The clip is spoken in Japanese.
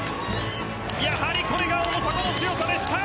やはりこれが大迫の強さでした。